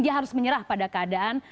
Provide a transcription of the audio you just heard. dia harus menyerah pada keadaan